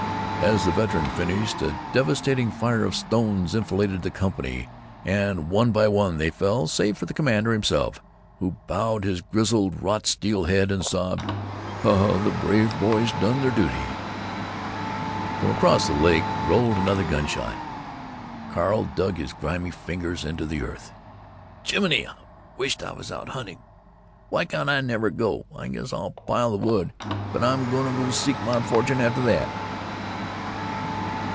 As the veteran finished, a devastating fire of stones enfiladed the company, and one by one they fell, save for the commander himself, who bowed his grizzled wrought steel head and sobbed, "The brave boys done their duty." From across the lake rolled another gun shot. Carl dug his grimy fingers into the earth. "Jiminy! I wisht I was out hunting. Why can't I never go? I guess I'll pile the wood, but I'm gonna go seek my fortune after that."